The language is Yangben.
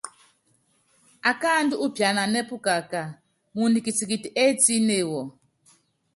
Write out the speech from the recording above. Akáaandú úpiananɛ́ pukaká, muundɔ kitikiti étíne wɔ.